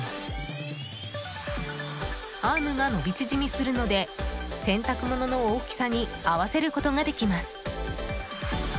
アームが伸び縮みするので洗濯物の大きさに合わせることができます。